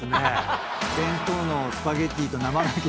弁当のスパゲティと生ガキ。